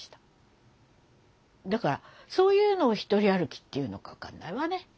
だからそういうのを一人歩きっていうのか分かんないわね。